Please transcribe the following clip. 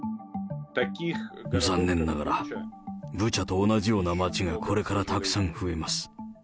残念ながら、ブチャと同じような街がこれからたくさん増えます。